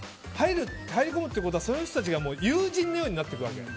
入り込むってことはその人たちが友人のようになっていくわけ。